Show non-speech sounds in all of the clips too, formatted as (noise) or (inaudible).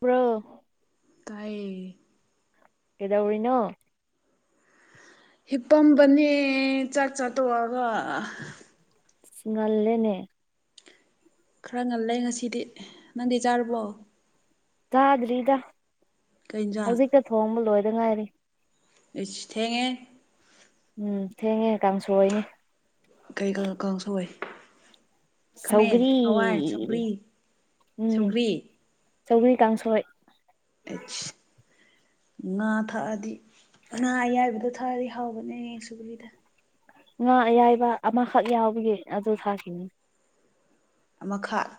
Bro hi. ꯀꯩꯗꯧꯔꯤꯅꯣ? ꯍꯤꯞꯄꯝꯕꯅꯦ ꯆꯥꯛ ꯆꯥꯇꯣꯛꯑꯒ꯫ ꯁꯤ-ꯉꯜꯂꯦꯅꯦ꯫ ꯈꯔ ꯉꯜꯂꯦ ꯉꯁꯤꯗꯤ ꯅꯪꯗꯤ ꯆꯥꯨꯔꯕꯣ? ꯆꯥꯗ꯭ꯔꯤꯗ ꯀꯩ ꯏꯟꯖꯥꯡ ꯍꯧꯖꯤꯛꯀ ꯊꯣꯡꯕ ꯂꯣꯏꯗ ꯉꯥꯏꯔꯤ꯫ ꯎꯁ ꯊꯦꯡꯉꯦ꯫ ꯎꯝ ꯊꯦꯡꯉꯦ ꯀꯥꯡꯁꯣꯏꯅꯦ꯫ ꯀꯩ ꯀꯥꯡ-ꯀꯥꯡꯁꯣꯏ? ꯈꯥꯃꯦꯟ ꯁꯧꯒ꯭ꯔꯤ ꯍꯋꯥꯏ ꯁꯧꯒ꯭ꯔꯤ ꯎꯝ ꯁꯨꯒ꯭ꯔꯤ? ꯁꯧꯒ꯭ꯔꯤ ꯀꯥꯡꯁꯣꯏ ꯑꯩꯁ ꯉꯥ ꯊꯥꯛꯑꯗꯤ ꯉꯥ ꯑꯌꯥꯏꯕꯗꯣ ꯊꯥꯛꯑꯗꯤ ꯍꯥꯎꯕꯅꯦ ꯁꯨꯒ꯭ꯔꯤꯗ꯫ ꯉꯥ ꯑꯌꯥꯏꯕ ꯑꯃꯈꯛ ꯌꯥꯎꯕꯒꯤ ꯑꯗꯨ ꯊꯥꯛꯈꯤꯅꯤ꯫ ꯑꯃꯈꯛ?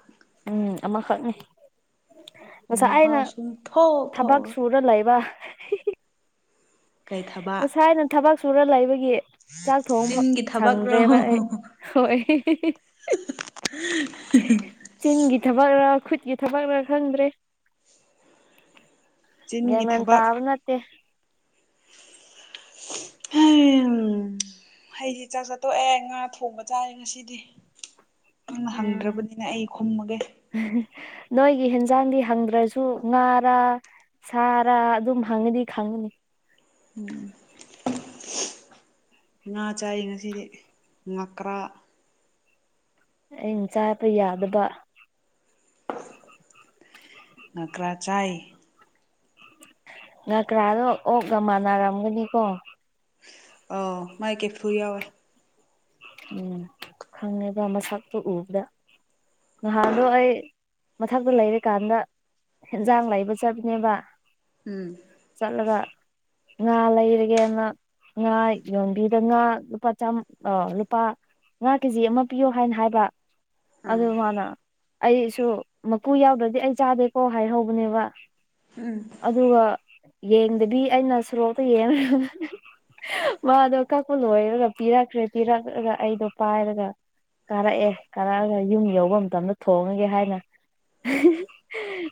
ꯎꯝ ꯑꯃꯈꯛꯅꯤ ꯉꯁꯥꯏꯅ ꯃꯍꯥꯎ ꯁꯨꯡꯊꯣꯛ ꯊꯕꯛ ꯊꯣꯛꯑꯔꯣꯏ ꯁꯨꯔ ꯂꯩꯕ꯫ ꯀꯩ ꯊꯕꯛ ꯉꯁꯥꯏꯅ ꯊꯕꯛ ꯁꯨꯔ ꯂꯩꯕꯒꯤ ꯆꯥꯛ ꯊꯣꯡꯕꯥꯎ ꯆꯤꯟꯒꯤ ꯊꯕꯛꯔꯣ ꯁꯪꯗ꯭ꯔꯦꯕ ꯑꯩ ꯍꯣꯏ꯫ (unintelligible) ꯆꯤꯡꯒꯤ ꯊꯕꯛꯔ ꯈꯨꯠꯀꯤ ꯊꯕꯛꯔ ꯈꯪꯗ꯭ꯔꯦ꯫ ꯒ꯭ꯌꯥꯟ ꯆꯤꯟꯒꯤ ꯃꯦꯟ ꯊꯕꯛ ꯇꯥꯕ ꯅꯠꯇꯦ꯫ ꯍꯝ꯫ ꯍꯩꯁꯤ ꯆꯥꯛ ꯆꯠꯇꯣꯛꯑꯦ ꯉꯥ ꯊꯣꯡꯕ ꯆꯥꯔꯦ ꯉꯁꯤꯗꯤ꯫ ꯅꯪꯅ ꯎꯝ ꯍꯪꯗ꯭ꯔꯕꯅꯤꯅ ꯑꯩ ꯈꯨꯝꯃꯒꯦ꯫ ꯅꯣꯏꯒꯤ ꯍꯦꯟꯖꯥꯡꯗꯤ ꯍꯪꯗ꯭ꯔꯁꯨ ꯉꯥꯔꯥ? ꯁꯥꯔꯥ ꯑꯗꯨꯝ ꯍꯪꯉꯗꯤ ꯈꯪꯉꯅꯤ꯫ ꯎꯝ ꯉꯥ ꯆꯥꯏ ꯉꯁꯤꯗꯤ ꯉꯀ꯭ꯔꯥ꯫ ꯑꯩꯅ ꯆꯥꯕ ꯌꯥꯗꯕ꯫ ꯉꯀ꯭ꯔꯥ ꯆꯥꯏ꯫ ꯉꯀ꯭ꯔꯥꯗꯣ ꯑꯣꯛꯀ ꯃꯥꯟꯅꯔꯝꯒꯅꯤꯀꯣ ꯑꯧ ꯃꯥꯏ ꯀꯦꯐꯨ ꯌꯥꯎꯋꯦ ꯎꯝ ꯈꯪꯉꯦꯕ ꯃꯁꯛꯇꯨ ꯎꯕꯗ ꯉꯍꯥꯟꯗꯣ ꯑꯩ ꯃꯊꯛꯇ ꯂꯩꯔꯤꯀꯥꯟꯗ ꯍꯦꯟꯖꯥꯡ ꯂꯩꯕ ꯆꯥꯕꯅꯦꯕ ꯎꯝ ꯆꯠꯂꯒ ꯉꯥ ꯂꯩꯔꯒꯦꯅ ꯉꯥ ꯌꯣꯟꯕꯤꯗ ꯉꯥ ꯂꯨꯄꯥ ꯆꯥꯃ ꯑꯣ ꯂꯨꯄꯥ ꯉꯥ ꯀꯦꯖꯤ ꯑꯃ ꯄꯤꯌꯣ ꯍꯥꯏꯅ ꯍꯥꯏꯕ ꯑꯗꯨ ꯑꯥ ꯃꯥꯅ ꯑꯩꯁꯨ ꯃꯀꯨ ꯌꯥꯎꯗ꯭ꯔꯗꯤ ꯑꯩ ꯆꯥꯗꯦꯀꯣ ꯍꯥꯏꯍꯧꯕꯅꯦꯕ ꯎꯝ ꯑꯗꯨꯒ ꯌꯦꯡꯗꯕꯤ ꯑꯩꯅ ꯁꯣꯔꯣꯛꯇ ꯌꯦꯡꯉ ꯃꯥꯗꯣ ꯀꯛꯄ ꯂꯣꯏꯔꯒ ꯄꯤꯔꯛꯈ꯭ꯔꯦ ꯄꯤꯔꯛꯂꯒ ꯑꯩꯗꯣ ꯄꯥꯏꯔꯒ ꯀꯥꯔꯛꯑꯦ ꯀꯥꯔꯛꯑꯒ ꯌꯨꯝ ꯌꯧꯕ ꯃꯇꯝꯗ ꯊꯣꯡꯉꯒꯦ ꯍꯥꯏꯅ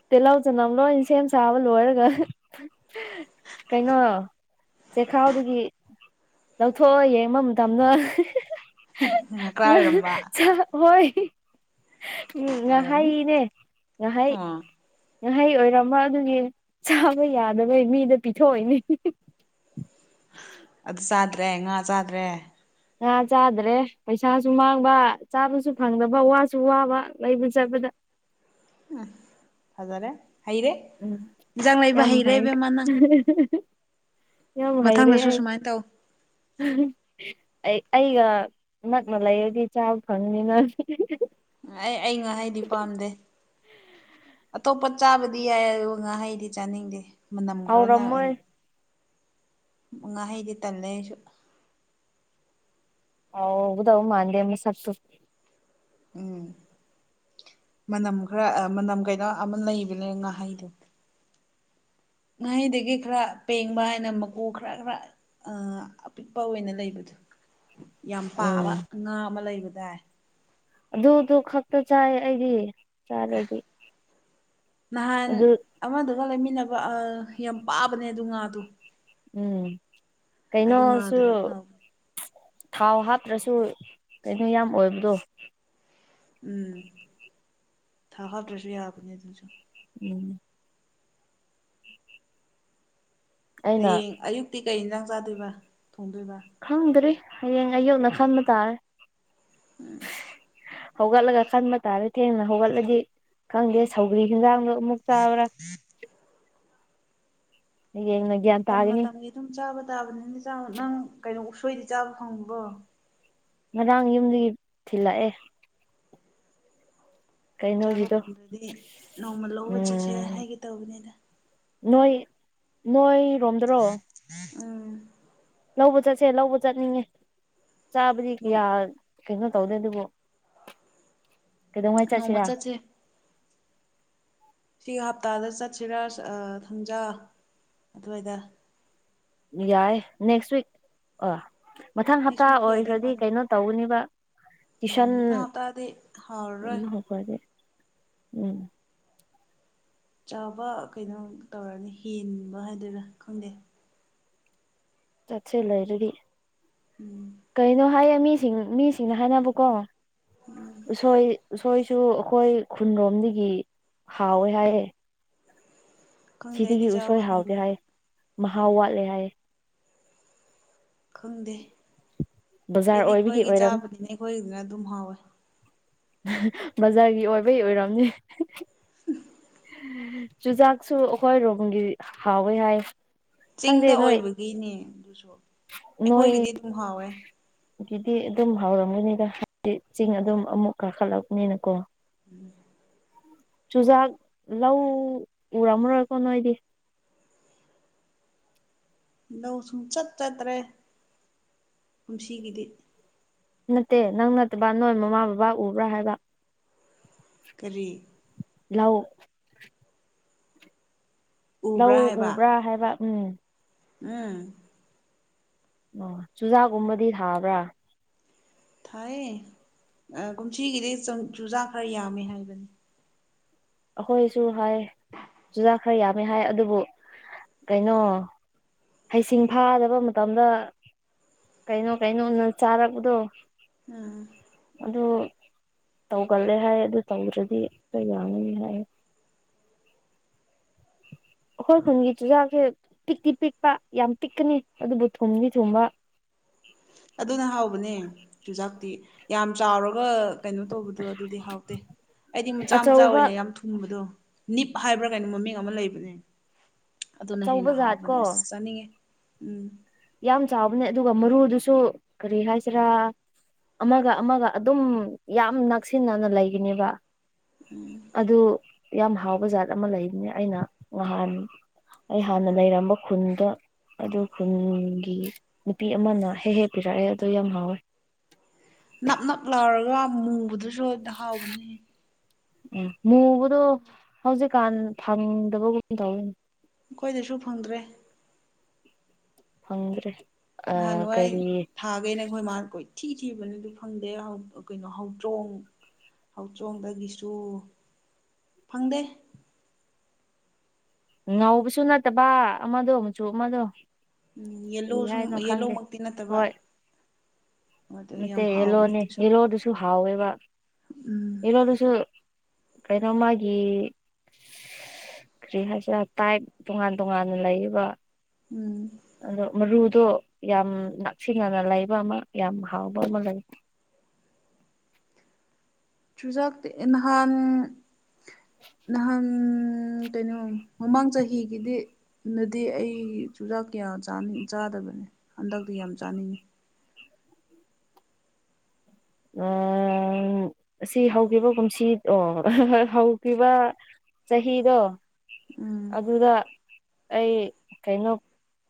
ꯇꯤꯍꯧ ꯆꯅꯝ ꯂꯣꯏꯅ ꯁꯦꯝ ꯁꯥꯕ ꯂꯣꯏꯔꯒ ꯀꯩꯅꯣ ꯆꯦꯈꯥꯎꯗꯒꯤ ꯂꯧꯊꯣꯛꯑ ꯌꯦꯡꯕ ꯃꯇꯝꯅ ꯉꯀ꯭ꯔꯥ ꯑꯣꯏꯔꯝꯕ ꯍꯣꯏ ꯎꯝ ꯑꯣꯏꯔꯝꯅꯤ ꯉꯥꯍꯩꯅꯦ ꯉꯥꯍꯩ ꯑꯣ ꯉꯍꯩ ꯑꯣꯏꯔꯝꯃ ꯑꯗꯨꯒꯤ ꯆꯥꯕ ꯌꯥꯗꯕꯩ ꯃꯤꯗ ꯄꯤꯊꯣꯛꯑꯣꯏꯅꯦ ꯑꯗꯨ ꯆꯥꯗ꯭ꯔꯦ ꯉꯥ ꯆꯥꯗ꯭ꯔꯦ ꯉꯥ ꯆꯥꯗ꯭ꯔꯦ ꯄꯩꯁꯥꯁꯨ ꯃꯥꯡꯕ ꯆꯥꯕꯁꯨ ꯐꯪꯗꯕ ꯋꯥꯁꯨ ꯋꯥꯕ ꯂꯩꯕ ꯆꯠꯄꯗ ꯎꯝ ꯐꯖꯔꯦ ꯍꯥꯏꯌꯦ ꯔꯦ ꯎꯝ ꯌꯥꯝꯃ ꯍꯥꯏ ꯌꯥꯝ ꯂꯩꯩꯔꯦ ꯃꯊꯪꯗꯁꯨ ꯍꯥꯏ ꯁꯨꯃꯥꯏꯅ ꯇꯧ ꯑꯩ ꯑꯩꯒ ꯅꯛꯅ ꯂꯩꯔꯗꯤ ꯆꯥꯕ ꯐꯪꯅꯤꯅ ꯑꯩ ꯑꯩ ꯉꯥꯍꯥꯏꯗꯤ ꯄꯥꯝꯗꯦ ꯑꯇꯣꯞꯄ ꯆꯥꯕꯗꯤ ꯌꯥꯏ ꯑꯗꯨꯒ ꯉꯥꯍꯩꯗꯤ ꯆꯥꯅꯤꯡꯗꯦ ꯃꯅꯝ ꯈꯔꯅ ꯍꯥꯎꯔꯝꯃꯣꯏ ꯉꯥꯍꯩꯗꯤ ꯇꯜꯂꯦ ꯑꯩꯁꯨ ꯍꯥꯎꯒꯗꯕ ꯃꯥꯥꯟꯗꯦꯃ ꯃꯁꯛꯇꯣ ꯎꯝ ꯃꯅꯝ ꯈꯔ ꯃꯅꯝ ꯀꯩꯅꯣ ꯑꯃ ꯂꯩꯕꯅꯦ ꯉꯥꯍꯩꯗꯣ ꯉꯥꯍꯩꯗꯒꯤ ꯈꯔ ꯄꯦꯡꯕ ꯍꯥꯏꯅ ꯃꯀꯨ ꯈꯔ ꯈꯔ ꯑꯄꯤꯛꯄ ꯑꯣꯏꯅ ꯂꯩꯕꯗꯣ ꯌꯥꯝ ꯎꯝ ꯄꯥꯕ ꯉꯥ ꯑꯃ ꯂꯩꯕꯗꯥꯥꯏ ꯑꯗꯨꯗꯨ ꯈꯛꯇ ꯆꯥꯏ ꯑꯩꯗꯤ ꯆꯥꯔꯗꯤ ꯅꯍꯥꯟ ꯑꯗꯨ ꯑꯃꯗꯨꯒ ꯂꯩꯃꯤꯟꯅꯕ ꯌꯥꯝ ꯄꯥꯕꯅꯦ ꯑꯗꯨ ꯉꯥꯗꯣ ꯎꯝ ꯑꯗꯨ ꯀꯩꯅꯩꯅꯣꯁꯨ ꯉꯥꯗꯨꯅ ꯍꯥꯎꯕꯅꯦ ꯊꯥꯎ ꯍꯥꯞꯇ꯭ꯔꯁꯨ ꯀꯩꯅꯣ ꯌꯥꯝ ꯑꯣꯏꯕꯗꯣ ꯎꯝ ꯊꯥ ꯍꯥꯥꯎꯇ꯭ꯔꯁꯨ ꯌꯥꯕꯅꯦ ꯑꯗꯨꯁꯨ ꯎꯝ ꯑꯩꯅ ꯍꯌꯦꯡ ꯑꯌꯨꯛꯇꯤ ꯀꯩ ꯏꯟꯁꯥꯡ ꯆꯥꯗꯣꯏꯕ ꯊꯣꯡꯗꯣꯏꯕ ꯈꯪꯗ꯭ꯔꯤ ꯍꯌꯦꯡ ꯑꯌꯨꯅ ꯈꯪꯕ ꯇꯥꯔꯦ (inaudible) ꯍꯧꯒꯠꯂꯒ ꯈꯟꯕ ꯇꯥꯔꯦ ꯊꯦꯡꯅ ꯍꯧꯒꯠꯂꯗꯤ ꯈꯪꯗꯦ ꯁꯧꯒ꯭ꯔꯤ ꯍꯟꯖꯥꯡꯗꯣ ꯑꯃꯨꯛ ꯆꯥꯕ꯭ꯔꯥ ꯌꯦꯡꯅꯩ ꯃꯇꯝ ꯃꯇꯝꯒꯤ ꯑꯗꯨꯝ ꯆꯥꯕ ꯇꯥꯕꯅꯤꯅ ꯅꯪ ꯀꯩꯅꯣ ꯎꯁꯣꯏꯗꯤ ꯆꯥꯕ ꯐꯪꯕ꯭ꯔꯣ ꯉꯔꯥꯡ ꯌꯨꯝꯗꯒꯤ ꯊꯤꯜꯂꯛꯑꯦ ꯆꯥꯕ ꯀꯩꯅꯣꯒꯤꯗꯣ ꯐꯪꯗ꯭ꯔꯗꯤ ꯅꯣꯡꯃ ꯂꯧꯕ ꯆꯠꯁꯦ ꯎꯝ ꯍꯥꯏꯒꯦ ꯇꯧꯕꯅꯤꯅ ꯅꯣꯏ ꯅꯣꯏ (unintelligible) ꯂꯧꯕ ꯆꯠꯁꯦ ꯂꯧꯕ ꯆꯠꯅꯤꯡꯉꯦ ꯆꯥꯕꯗꯤ ꯀꯌꯥ ꯀꯩꯅꯣ ꯇꯧꯗꯦ ꯑꯗꯨꯕꯨ ꯀꯩꯗꯧꯉꯩ ꯆꯠꯁꯤꯔꯥ ꯅꯣꯡꯃ ꯆꯠꯁꯦ ꯁꯤ ꯍꯞꯇꯥꯗ ꯆꯠꯁꯤꯔꯥ ꯊꯝꯖ ꯑꯗꯨꯋꯥꯏꯗ ꯌꯥꯏ ꯅꯦꯛꯁ ꯋꯤꯛ ꯑ ꯃꯊꯪ ꯍꯞꯇꯥ ꯅꯦꯛꯁ ꯋꯤꯛꯇꯤ ꯌꯥꯗꯧ ꯑꯣꯏꯈ꯭ꯔꯗꯤ ꯃꯥꯟꯗꯦ ꯀꯩꯅꯣ ꯇꯧꯒꯅꯤꯕ ꯎꯝ ꯇꯨꯏꯁꯟ ꯃꯊꯥꯡ ꯍꯞꯇꯥꯗꯤ ꯍꯥꯎꯔꯔꯣꯏ ꯎꯝ ꯆꯥꯕ ꯀꯩꯅꯣ ꯇꯧꯔꯅꯤ ꯍꯦꯟꯕ ꯍꯥꯏꯗꯅꯥ ꯈꯪꯗꯦ ꯆꯠꯁꯦ ꯂꯩꯔꯗꯒꯤ ꯎꯝ ꯀꯩꯅꯣ ꯍꯥꯏꯌꯦ ꯃꯤꯁꯤꯡ ꯃꯤꯁꯤꯡꯅ ꯍꯥꯏꯅꯕꯀꯣ ꯎꯁꯣꯏ ꯎꯁ ꯁꯨ ꯑꯩꯈꯣꯏ ꯈꯨꯟꯔꯣꯝꯗꯒꯤ ꯍꯥꯎꯋꯦ ꯍꯥꯏꯌꯦ ꯈꯪꯗꯦ ꯁꯤꯗꯒꯤ ꯑꯩꯗꯤ ꯎꯁꯣꯏ ꯆꯥꯕ ꯍꯥꯎꯗꯦ ꯍꯥꯏ ꯃꯍꯥꯎ ꯋꯥꯠꯂꯦ ꯍꯥꯏ ꯈꯪꯗꯦ ꯕꯖꯥꯔ ꯑꯩꯗꯤ ꯑꯣꯏꯕꯒꯤ ꯑꯩꯈꯣꯏꯒꯤ ꯑꯣꯏꯔꯝ ꯆꯥꯕꯅꯤꯅ ꯑꯩꯈꯣꯏꯒꯤꯗꯨꯅ ꯑꯗꯨꯝ ꯍꯥꯎꯋꯦ ꯕꯖꯥꯔꯒꯤ ꯑꯣꯏꯕꯩ ꯑꯣꯏꯔꯝꯅꯦ (unintelligible) ꯆꯨꯖꯥꯛꯁꯨ ꯑꯩꯈꯣꯏ ꯔꯣꯝꯒꯤ ꯍꯥꯎꯋꯦ ꯍꯥꯏ ꯈꯪꯗꯦ ꯆꯤꯡꯗ ꯅꯣꯏ ꯑꯣꯏꯕꯒꯤꯅꯦ ꯑꯗꯨꯁꯨ ꯑꯩꯈꯣꯏꯒꯤꯗꯤ ꯑꯗꯨꯝ ꯍꯥꯎꯋꯦ ꯑꯗꯨꯗꯤ ꯑꯗꯨꯝ ꯍꯥꯎꯔꯝꯒꯅꯤꯗ ꯍꯥꯏꯗꯤ ꯆꯤꯡ ꯑꯗꯨꯝ ꯑꯃꯨꯛ ꯀꯥꯈꯠꯂꯛꯅꯤꯅꯀꯣ ꯎꯝ ꯆꯨꯖꯥꯛ ꯂꯧ ꯎꯔꯝꯃꯔꯣꯏꯀꯣ ꯅꯣꯏꯗꯤ ꯂꯧ ꯁꯨꯝ ꯆꯠ ꯆꯠꯇ꯭ꯔꯦ ꯀꯨꯝꯁꯤꯒꯤꯗꯤ ꯅꯠꯇꯦ ꯅꯪ ꯅꯠꯇꯕ ꯅꯣꯏ ꯃꯃꯥ ꯕꯕꯥ ꯎꯕ꯭ꯔꯥ ꯍꯥꯏꯕ ꯀꯔꯤ ꯂꯎ ꯎꯕ꯭ꯔꯥ ꯂꯧ ꯍꯥꯏꯕ ꯎꯕ꯭ꯔꯥ ꯍꯥꯏꯕ ꯎꯝ ꯎꯝ ꯑꯣ ꯆꯨꯖꯥꯛꯀꯨꯝꯕꯗꯤ ꯊꯥꯕ꯭ꯔꯥ ꯊꯥꯏꯌꯦ ꯀꯨꯝꯊꯒꯤꯗꯤꯩ ꯆꯨꯖꯥꯛ ꯈꯔ ꯌꯥꯝꯃꯦ ꯍꯥꯏꯕꯅꯤ ꯑꯩꯈꯣꯏꯁꯨ ꯍꯥꯏ ꯆꯨꯖꯥꯛ ꯈꯔ ꯌꯥꯝꯃꯦ ꯍꯥꯏ ꯑꯗꯨꯕꯨ ꯀꯩꯅꯣ ꯍꯩꯁꯤꯡ ꯐꯥꯗꯕ ꯃꯇꯝꯗ ꯀꯩꯅꯣ ꯀꯩꯅꯣ ꯅ ꯆꯥꯔꯛꯄꯗꯣ ꯎꯝ ꯑꯗꯨ ꯇꯧꯒꯜꯂꯦ ꯍꯥꯏ ꯑꯗꯨ ꯇꯧꯗ꯭ꯔꯗꯤ ꯑꯛꯇ ꯌꯥꯅꯤꯅꯤ ꯍꯥꯏꯌꯦ ꯑꯩꯈꯣꯏ ꯈꯨꯟꯒꯤ ꯆꯨꯖꯥꯛꯁꯦ ꯄꯤꯛꯇꯤ ꯄꯤꯛꯄ ꯌꯥꯝ ꯄꯤꯛꯀꯅꯤ ꯑꯗꯨꯕꯨ ꯊꯨꯝꯗꯤ ꯊꯨꯝꯕ ꯑꯗꯨꯅ ꯍꯥꯎꯕꯅꯦ ꯆꯨꯖꯥꯛꯇꯤ ꯌꯥꯝ ꯆꯥꯎꯔꯒ ꯀꯩꯅꯣ ꯇꯧꯕꯗꯣ ꯑꯗꯨꯗꯤ ꯍꯥꯎꯇꯦ ꯑꯩꯗꯤ ꯃꯆꯥ ꯃꯆꯥ ꯑꯆꯧꯕ ꯑꯣꯏꯅ ꯌꯥꯝ ꯊꯨꯝꯕꯗꯣ ꯅꯤꯞ ꯍꯥꯏꯕ꯭ꯔꯥ ꯀꯩꯅꯣ ꯃꯃꯤꯡ ꯑꯃ ꯂꯩꯕꯅꯦ ꯑꯗꯨꯅ ꯑꯆꯧꯕ ꯍꯦꯟꯅ ꯖꯥꯠ ꯍꯥꯎꯕꯅꯦ ꯀꯣ ꯑꯁ ꯆꯥꯅꯤꯡꯉꯦ ꯎꯝ ꯌꯥꯝ ꯆꯥꯎꯕꯅꯦ ꯑꯗꯨꯒ ꯃꯔꯨꯗꯨꯁꯨ ꯀꯔꯤ ꯍꯥꯏꯁꯤꯔꯥ ꯑꯃꯒ ꯑꯃꯒ ꯑꯗꯨꯝ ꯌꯥꯝ ꯅꯛꯁꯤꯟꯅꯅ ꯂꯩꯒꯅꯦꯕ ꯎꯝ ꯑꯗꯨ ꯌꯥꯝ ꯍꯥꯎꯕ ꯖꯥꯠ ꯑꯃ ꯂꯩꯕꯅꯦ ꯑꯩꯅ ꯉꯍꯥꯟ ꯑꯩ ꯍꯥꯟꯅ ꯂꯩꯔꯝꯕ ꯈꯨꯟꯗ ꯑꯗꯨ ꯈꯨꯟ ꯒꯤ ꯅꯨꯄꯤ ꯑꯃꯅ ꯍꯦꯛ ꯍꯦꯛ ꯄꯤꯔꯛꯑꯦ ꯑꯗꯨ ꯌꯥꯝ ꯍꯥꯎꯋꯦ ꯅꯞ ꯅꯞ ꯂꯥꯎꯔꯒ ꯃꯨꯕꯗꯨꯁꯨꯗ ꯍꯥꯎꯕꯅꯤ ꯎꯝ ꯃꯨꯕꯗꯣ ꯍꯧꯖꯤꯛꯀꯥꯟ ꯐꯪꯗꯕꯒꯨꯝ ꯇꯧꯋꯅꯦ ꯑꯩꯈꯣꯏꯗꯁꯨ ꯐꯪꯗ꯭ꯔꯦ ꯐꯪꯗ꯭ꯔꯦ ꯅꯍꯥꯟ ꯅꯨꯡꯋꯥꯥꯏ ꯀꯔꯤ ꯊꯥꯒꯅꯦꯈꯣꯏ ꯃꯥꯔ ꯀꯣꯏ ꯊꯤ ꯊꯤꯕꯅ ꯑꯗꯨ ꯐꯪꯗꯦ ꯀꯩꯅꯣ ꯍꯧꯗ꯭ꯔꯣꯡ ꯍꯧꯆꯣꯡꯗꯒꯤꯁꯨ ꯐꯪꯗꯦ ꯉꯧꯕꯁꯨ ꯅꯠꯇꯕ ꯑꯃꯗꯣ ꯃꯨꯆꯨ ꯑꯃꯗꯣ ꯎꯝ ꯌꯦꯜꯂꯣ ꯀꯔꯤ ꯁꯨꯝ ꯍꯥꯏꯅꯣ ꯈꯪꯗꯦ ꯌꯦꯂꯣꯃꯛꯇꯤ ꯅꯠꯇꯕ ꯍꯣꯏ ꯑꯗꯨ ꯌꯥꯝ ꯅꯠꯇꯦ ꯍꯥꯎꯕꯅꯦ ꯌꯦꯂꯣꯅꯦ ꯑꯗꯨꯁꯨ ꯌꯦꯂꯣꯗꯨꯁꯨ ꯍꯥꯎꯋꯦꯕ ꯎꯝ ꯌꯦꯂꯣꯗꯨꯁꯨ ꯀꯩꯅꯣ ꯃꯥꯒꯤ ꯀꯔꯤ ꯍꯥꯏ ꯁꯤꯔ ꯇꯥꯏꯞ ꯇꯣꯉꯥꯟ ꯇꯣꯉꯥꯟꯅ ꯂꯩꯌꯦꯕ ꯎꯝ ꯑꯗꯣ ꯃꯔꯨꯗꯣ ꯌꯥꯝ ꯅꯛꯁꯤꯟꯅꯅ ꯂꯩꯕ ꯑꯃ ꯌꯥꯝ ꯍꯥꯎꯕ ꯑꯃ ꯂꯩ ꯆꯨꯖꯥꯛꯇꯤ ꯅꯍꯥꯟ ꯅꯍꯥꯟ ꯎꯝ ꯀꯩꯅꯣ ꯃꯃꯥꯡ ꯆꯍꯤꯒꯤꯗꯤ ꯅꯗꯤ ꯑꯩ ꯆꯨꯖꯥꯛ ꯀꯌꯥ ꯆꯥꯗꯕꯅꯦ ꯍꯟꯗꯛꯇꯤ ꯌꯥꯝ ꯆꯥꯅꯤꯡꯉꯤ ꯎꯝ ꯑꯁꯤ ꯍꯧꯈꯤꯕ ꯀꯨꯝꯁꯤ ꯑꯣ ꯍꯧꯈꯤꯕ ꯆꯍꯤꯗꯣ ꯎꯝ ꯑꯗꯨꯗ ꯑꯩ ꯀꯩꯅꯣ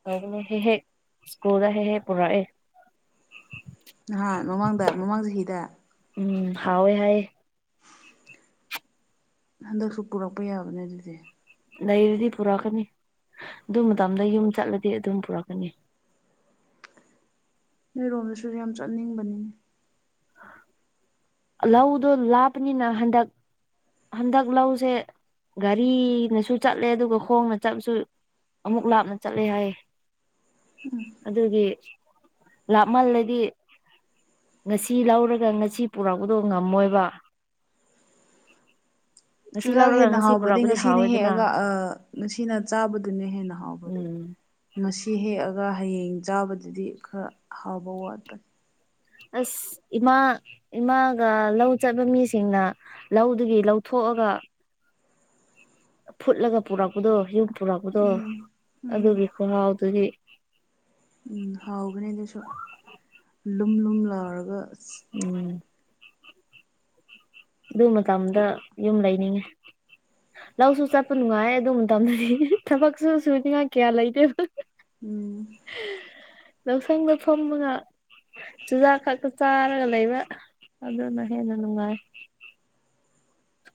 ꯇꯧꯕꯅꯦ ꯍꯦꯛ ꯍꯦꯛ ꯁꯀꯨꯜ ꯍꯦꯛ ꯍꯦꯛ ꯄꯨꯔꯥꯑꯦ ꯅꯍꯥꯟ ꯃꯃꯥꯡꯗ ꯃꯃꯥꯡ ꯆꯍꯤꯗ ꯎꯝ ꯍꯥꯎꯏ ꯍꯥꯏꯌꯦ ꯍꯟꯗꯛꯁꯨ ꯄꯨꯔꯛꯄ ꯌꯥꯕꯅꯦ ꯑꯗꯨꯗꯤ ꯂꯩꯔꯗꯤ ꯄꯨꯔꯛꯀꯅꯤ ꯑꯗꯨ ꯃꯇꯝꯗ ꯌꯨꯝ ꯆꯠꯂꯗꯤ ꯑꯗꯨꯝ ꯄꯨꯔꯛꯀꯅꯤ ꯅꯣꯏꯔꯣꯝꯗꯁꯨ ꯌꯥꯝ ꯆꯠꯅꯤꯡꯕꯅꯤꯅꯦ ꯂꯧꯗꯣ ꯂꯥꯞꯄꯅꯤꯅ ꯍꯟꯗꯛ ꯍꯟꯗꯛ ꯂꯧꯁꯦ ꯒꯥꯔꯤꯅꯁꯨ ꯆꯠꯂꯦ ꯑꯗꯨꯒ ꯈꯣꯡꯅ ꯆꯠꯂꯁꯨ ꯑꯃꯨꯛ ꯂꯥꯞꯅ ꯆꯠꯂꯦ ꯍꯥꯏꯌꯦ ꯑꯗꯨꯒꯤ ꯂꯥꯞꯃꯜꯂꯗꯤ ꯁꯤ ꯂꯧꯔꯒ ꯉꯁꯤ ꯄꯨꯔꯛꯄꯗꯣ ꯉꯝꯃꯣꯏꯕ ꯉꯁꯤ ꯆꯨꯖꯥꯛ ꯂꯧꯔꯒ ꯍꯦꯟꯅ ꯉꯁꯤ ꯍꯥꯎꯕꯗꯒꯤ ꯄꯨꯔꯛꯄꯗꯤ ꯉꯁꯤꯅ ꯍꯥꯎꯋꯦꯗꯅ ꯍꯦꯛꯑꯒ ꯉꯁꯤꯅ ꯆꯥꯕꯗꯨꯅ ꯍꯦꯟꯅ ꯍꯥꯎꯕꯗꯨ ꯎꯝ ꯉꯁꯤ ꯍꯦꯛꯑꯒ ꯍꯌꯦꯡ ꯆꯥꯕꯗꯗꯤ ꯈꯔ ꯍꯥꯎꯕ ꯋꯥꯠꯄꯅꯤ ꯑꯁ ꯏꯃꯥ ꯏꯃꯥꯒ ꯂꯧ ꯆꯠꯄ ꯃꯤꯁꯤꯡꯅ ꯂꯧꯗꯒꯤ ꯂꯧꯊꯣꯛꯑꯒ ꯐꯨꯠꯂꯒ ꯄꯨꯔꯛꯄꯗꯣ ꯌꯨꯝ ꯄꯨꯔꯛꯄꯗꯣ ꯎꯝ ꯑꯗꯨꯒꯤ ꯎꯝ ꯈꯨꯍꯥꯎꯗꯨꯒꯤ ꯎ ꯍꯥꯎꯕꯅꯤꯑꯗꯨꯁꯨ ꯂꯨꯝ ꯂꯨꯝ ꯂꯥꯎꯔꯒ ꯎꯝ ꯑꯗꯨ ꯃꯇꯝꯗ ꯌꯨꯝ ꯂꯩꯅꯤꯡꯉꯦ ꯂꯧꯁꯨ ꯆꯠꯄ ꯅꯨꯡꯉꯥꯏ ꯌꯦ ꯑꯗꯨ ꯃꯇꯝꯗꯗꯤ ꯊꯕꯛꯁꯨ ꯁꯨꯅꯤꯡꯉꯥꯏ ꯀꯌꯥ ꯂꯩꯇꯦꯕ ꯎꯝ ꯂꯧꯁꯪꯗ ꯐꯝꯃꯒ ꯆꯨꯖꯥꯛ ꯈꯛꯇ ꯆꯥꯔꯒ ꯂꯩꯕ ꯑꯗꯨꯅ ꯍꯦꯟꯅ ꯅꯨꯡꯉꯥꯏ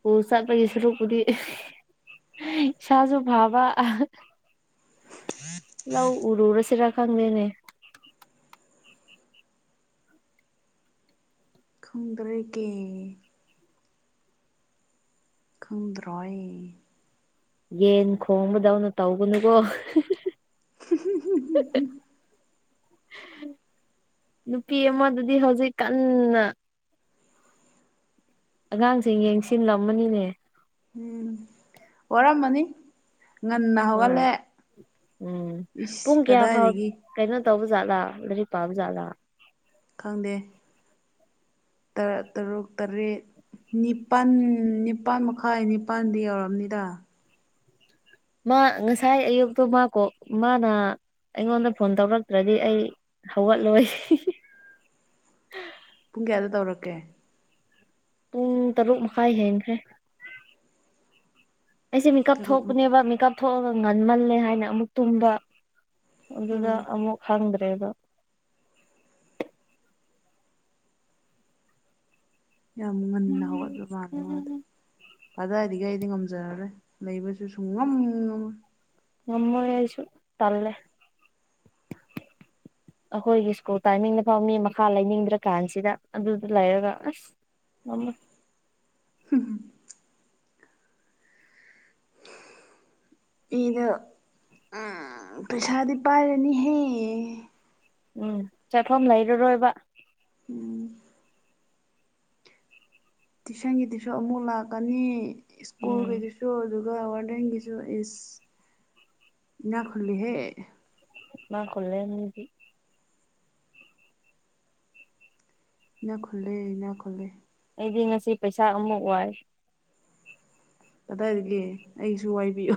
ꯎ ꯆꯠꯄꯒꯤ ꯁꯔꯨꯛꯄꯨꯗꯤ ꯏꯁꯥꯁꯨ ꯐꯥꯕ ꯂꯧ ꯎꯔꯨꯔꯁꯤꯔꯥ ꯈꯪꯗꯦꯅꯦ ꯈꯪꯗꯔꯦꯒꯦ ꯈꯪꯗ꯭ꯔꯣꯏ ꯌꯦꯟ ꯈꯣꯡꯕꯗꯧꯅ ꯇꯧꯒꯅꯨꯀꯣ (unintelligible) ꯅꯨꯄꯤ ꯑꯃꯗꯨꯗꯤ ꯍꯧꯖꯤꯛ ꯀꯟꯅ ꯑꯉꯥꯡꯁꯤꯡ ꯌꯦꯡꯁꯤꯜꯂꯝꯃꯅꯤꯅꯦ ꯎꯝ ꯋꯔꯝꯃꯅꯤ ꯉꯟꯅ ꯍꯣꯏ ꯍꯧꯒꯠꯂꯦ ꯎꯝ ꯏꯁ ꯄꯨꯡ ꯀꯌꯥ ꯐꯥꯎ ꯀꯗꯥꯏꯗꯒꯤ ꯀꯩꯅꯣ ꯇꯧꯕ ꯖꯥꯠꯂꯥ ꯂꯥꯏꯔꯤꯛ ꯄ ꯕ ꯖꯠꯂꯥ ꯈꯪꯗꯦ ꯇꯔꯥ ꯇꯔꯨꯛ ꯇꯔꯦꯠ ꯅꯤꯄꯥꯜ ꯅꯤꯄꯥꯜ ꯃꯈꯥꯏ ꯅꯤꯄꯥꯜꯗꯤ ꯌꯧꯔꯔꯕꯅꯤꯗ ꯃꯥ ꯉꯁꯥꯏ ꯑꯌꯨꯛꯇꯣ ꯃꯥ ꯀꯣꯛ ꯃꯥꯅ ꯑꯩꯉꯣꯟꯗ ꯐꯣꯟ ꯇꯧꯔꯛꯇ꯭ꯔꯗꯤ ꯑꯩ ꯍꯧꯒꯠꯂꯣꯏ ꯄꯨꯡ ꯀꯌꯥꯗ ꯇꯧꯔꯛꯀꯦ ꯄꯨꯡ ꯇꯔꯨꯛ ꯃꯈꯥꯏ ꯍꯦꯟꯈ꯭ꯔꯦ ꯑꯩꯁꯦ ꯃꯦꯀꯞ ꯇꯔꯨꯛꯃꯨꯛ ꯊꯣꯛꯄꯅꯦꯕ ꯃꯦꯀꯞ ꯊꯣꯛꯑꯒ ꯉꯟꯃꯜꯂꯦ ꯍꯥꯏꯅ ꯑꯃꯨꯛ ꯇꯨꯝꯕ ꯑꯗꯨꯗ ꯎꯝ ꯑꯃꯨꯛ ꯍꯪꯗ꯭ꯔꯦ ꯑꯗꯣ ꯌꯥꯝ ꯉꯟꯅ ꯍ ꯑꯗꯨ ꯃꯥꯅꯦ ꯃꯥꯗ ꯑꯗꯥꯏꯗꯒ ꯑꯩꯗꯤ ꯉꯝꯖꯔꯔꯣꯏ ꯂꯩꯕꯁꯨ ꯁꯨꯡ ꯉꯝ ꯉꯝꯃꯣꯏ ꯉꯃꯣꯏ ꯑꯩꯁꯨ ꯇꯜꯂꯦ ꯑꯩꯈꯣꯏꯒꯤ ꯁ꯭ꯀꯨꯜ ꯇꯥꯏꯃꯤꯡꯗ ꯐꯥꯎ ꯃꯤ ꯃꯈꯥ ꯂꯩꯅꯤꯡꯗ꯭ꯔ ꯀꯥꯟꯁꯤꯗ ꯑꯗꯨꯗ ꯂꯩꯔꯒ ꯑꯁ ꯉꯃꯣꯏ ꯍꯝ ꯑꯩꯗ ꯄꯩꯁꯥꯗꯤ ꯄꯥꯏꯔꯅꯤꯍꯦ ꯎꯝ ꯆꯠꯐꯝ ꯂꯩꯔꯔꯣꯏꯕ ꯎꯝ ꯇꯨꯏꯁꯟꯒꯤꯗꯨꯁꯨ ꯑꯃꯨꯛ ꯂꯥꯛꯀꯅꯤ ꯎꯝ ꯁ꯭ꯀꯨꯜꯒꯤꯗꯨꯁꯨ ꯑꯗꯨꯗꯨꯒ ꯋꯥꯔꯗꯦꯟꯒꯤꯁꯨ ꯏꯁ ꯏꯅꯥꯈꯨꯜꯂꯤꯍꯦ ꯏꯅꯈꯨꯜꯂꯦ ꯃꯤꯗꯤ ꯏꯅ ꯈꯨꯜꯂꯦ ꯏꯅ ꯈꯨꯜꯂꯦ ꯑꯩꯗꯤ ꯉꯁꯤ ꯄꯩꯁꯥ ꯑꯃꯨꯛ ꯋꯥꯏ ꯀꯗꯥꯏꯗꯒꯦ ꯑꯩꯁꯨ ꯋꯥꯏꯕꯤꯌꯨ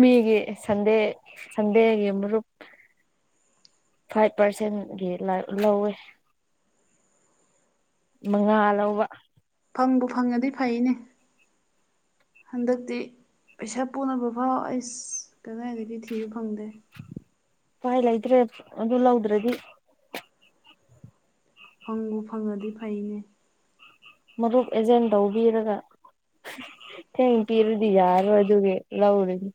ꯃꯤꯒꯤ ꯁꯟꯗꯦꯁꯟꯗꯦꯒꯤ ꯃꯔꯨꯞ ꯐꯥꯏꯚ ꯄꯥꯔꯁꯦꯟꯒꯤ ꯂꯧꯋꯦ ꯃꯉꯥꯂꯧꯕ ꯐꯪꯕꯨ ꯐꯪꯉꯗꯤ ꯐꯩꯅꯦ ꯍꯟꯗꯛꯇꯤ ꯄꯩꯁꯥ ꯄꯨꯅꯕ ꯐꯥꯎ ꯑꯩꯁ ꯀꯗꯥꯏꯗꯒꯤ ꯊꯤꯕ ꯐꯪꯗꯦ ꯎꯄꯥꯏ ꯂꯩꯇ꯭ꯔꯦ ꯑꯗꯨ ꯂꯧꯗ꯭ꯔꯗꯤ ꯐꯪꯕꯨ ꯐꯪꯉꯗꯤ ꯐꯩꯅꯦ ꯃꯔꯨꯞ ꯑꯦꯖꯦꯟ ꯇꯧꯕꯤꯔꯒ ꯊꯦꯡ ꯄꯤꯔꯗꯤ ꯌꯥꯔꯣꯏ ꯑꯗꯨꯒꯤ ꯂꯧꯔꯨꯅꯤ